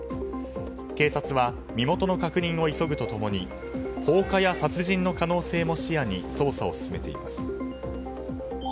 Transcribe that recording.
警察は身元の確認を急ぐと共に放火や殺人の可能性も視野に、捜査を進めています。